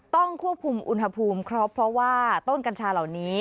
ต้องควบคุมอุณหภูมิครบเพราะว่าต้นกัญชาเหล่านี้